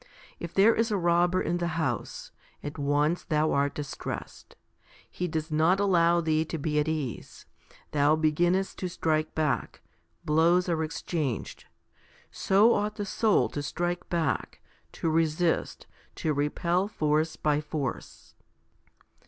If there is a robber in the house, at once thou art distressed ; he does not allow thee to be at ease ; thou beginnest to strike back ; blows are exchanged. So ought the soul to strike back, to resist, to repel force by force.